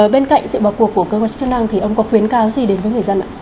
bên cạnh sự vào cuộc của cơ quan chức năng thì ông có khuyến cáo gì đến với người dân ạ